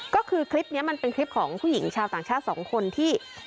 ก็คือคลิปนี้มันเป็นคลิปของผู้หญิงชาวต่างชาติสองคนที่